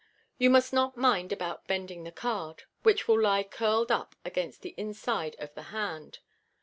You must not mind about bending the card, which will lie curled up against the inside of the hand.